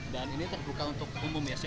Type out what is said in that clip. dan ini terbuka untuk umum ya